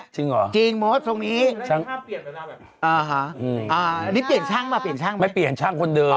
จริงหรอจริงโหมดส่งนี้นี่เปลี่ยนช่างป่ะไม่เปลี่ยนช่างคนเดิม